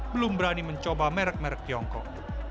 belum berani mencoba merek merek tiongkok